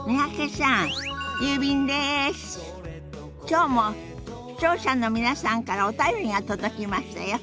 きょうも視聴者の皆さんからお便りが届きましたよ。